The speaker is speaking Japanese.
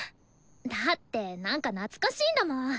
だってなんか懐かしいんだもん。